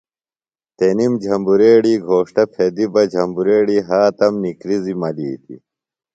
تنِم جھمبریڑی گھوݜٹہ پھیدیۡ بہ جھمبریڑیۡ ہاتم نِکرِزیۡ ملِیتیۡ۔